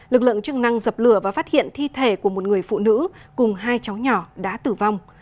lực lượng chức năng dập lửa và phát hiện thi thể của một người phụ nữ cùng hai cháu nhỏ đã tử vong